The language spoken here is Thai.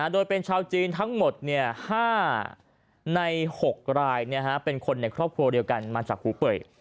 โดยเป็นชาวจีนทั้งหมด๕ใน๖รายเป็นคนในครอบครัวเดียวกันมาจากหูเป่ย